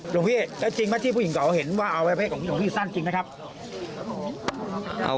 หลวงพี่แล้วจริงไหมที่ผู้หญิงเก่าเห็นว่าอวัยเพศของหลวงพี่สั้นจริงนะครับ